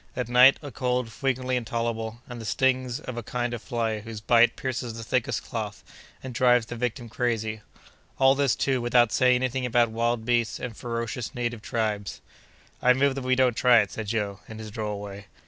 At night, a cold frequently intolerable, and the stings of a kind of fly whose bite pierces the thickest cloth, and drives the victim crazy! All this, too, without saying any thing about wild beasts and ferocious native tribes!" "I move that we don't try it!" said Joe, in his droll way.